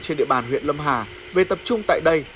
trên địa bàn huyện lâm hà về tập trung tại đây